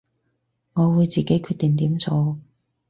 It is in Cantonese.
我會自己決定點做